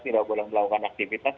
tidak boleh melakukan aktivitas